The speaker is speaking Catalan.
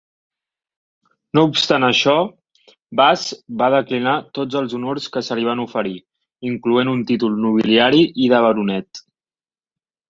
No obstant això, Bass va declinar tots els honors que se li van oferir, incloent un títol nobiliari i de baronet.